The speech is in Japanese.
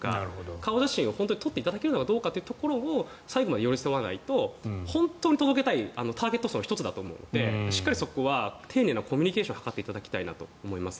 顔写真を本当に撮っていただけるのかどうかというところを最後まで寄り添わないと本当に届けたいターゲット層の１つだと思うので丁寧なコミュニケーションを図っていただきたいと思います。